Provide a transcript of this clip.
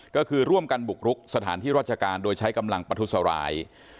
ก็คือร่วมกันบุกรุกสถานที่ราชการโดยใช้กำลังประทุษร้าย